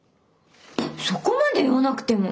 そこまで言わなくても。